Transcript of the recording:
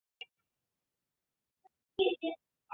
该厂后来还为中国人民志愿军提供了大量卷烟和烟丝。